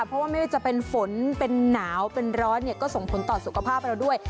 เพราะว่าไม่ว่าจะเป็นฝนเป็นหนาวเป็นร้อนเนี่ยก็ส่งผลต่อสุขภาพเราด้วย